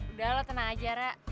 udah lo tenang aja ra